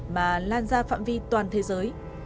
mà lan ra phạm vi toàn thế giới